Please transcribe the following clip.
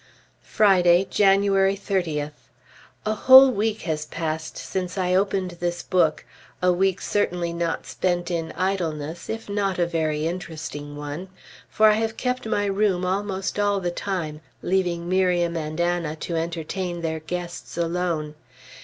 Friday, January 30th. A whole week has passed since I opened this book, a week certainly not spent in idleness, if not a very interesting one. For I have kept my room almost all the time, leaving Miriam and Anna to entertain their guests alone.